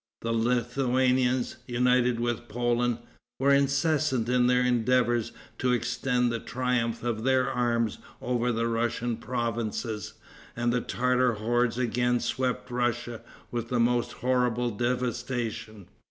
The Lithuanians, united with Poland, were incessant in their endeavors to extend the triumph of their arms over the Russian provinces; and the Tartar hordes again swept Russia with the most horrible devastation.